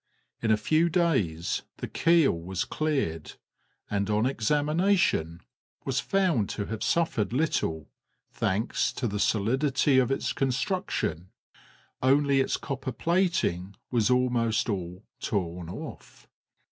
In a few days the keel was cleared, and on examination was found to have suffered little, thanks to the solidity of its construction, only its copper plating was almost all torn off.